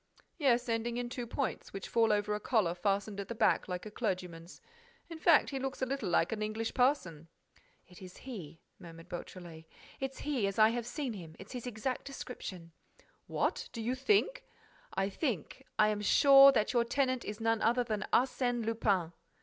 "Yes, ending in two points, which fall over a collar fastened at the back, like a clergyman's. In fact, he looks a little like an English parson." "It's he," murmured Beautrelet, "it's he, as I have seen him: it's his exact description." "What! Do you think—?" "I think, I am sure that your tenant is none other than Arsène Lupin."